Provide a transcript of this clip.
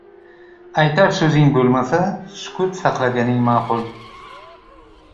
Aytar so‘zing bo‘lmasa, sukut saqlaganing ma’qul.